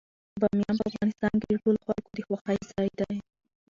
بامیان په افغانستان کې د ټولو خلکو د خوښې ځای دی.